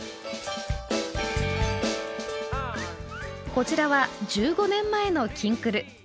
こちらは１５年前の「きんくる」。